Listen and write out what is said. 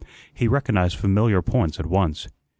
He recognized familiar points at once.